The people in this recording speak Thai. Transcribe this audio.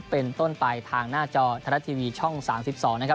เป็นต้นไปทางหน้าจอไทยรัฐทีวีช่อง๓๒นะครับ